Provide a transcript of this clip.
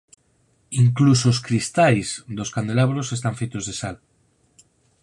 Incluso os cristais dos candelabros están feitos de sal.